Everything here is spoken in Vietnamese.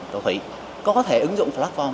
tổ thủy có thể ứng dụng platform